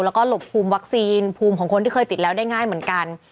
แล้วก็หลบภูมิวัคซีนภูมิของคนที่เคยติดแล้วได้ง่ายเหมือนกัน